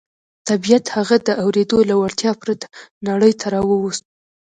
طبيعت هغه د اورېدو له وړتيا پرته نړۍ ته راووست.